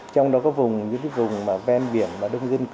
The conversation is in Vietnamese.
trong đó có vùng như cái vùng mà ven biển mà đông dân cư